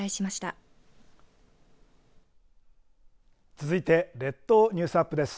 続いて列島ニュースアップです。